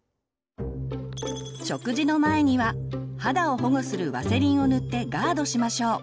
食事の前には肌を保護するワセリンを塗ってガードしましょう。